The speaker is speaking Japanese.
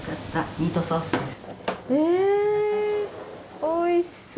おいしそう！